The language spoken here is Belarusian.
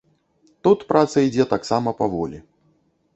Тут праца ідзе таксама паволі.